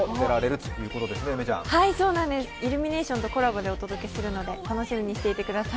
そうなんです、イルミネーションとコラボでお届けするので楽しみにしていてください。